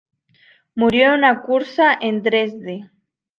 Murió en una cursa en Dresde.